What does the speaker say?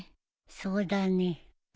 そうだね。